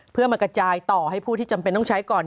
เพื่อมากระจายต่อให้ผู้ที่จำเป็นต้องใช้ก่อน